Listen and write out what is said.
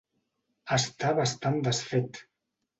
Està bastant desfet.